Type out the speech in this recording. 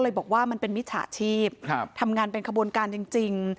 บอกว่ามันเป็นมิจฉาชีพทำงานเป็นขบวนการจริง